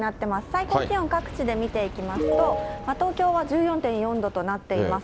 最高気温、各地で見ていきますと、東京は１４．４度となっています。